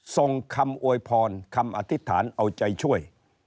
ส่งคำอวยพรคำอธิษฐานเอาใจช่วย